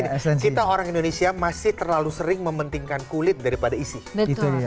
karena gini kita orang indonesia masih terlalu sering mementingkan kulit daripada isi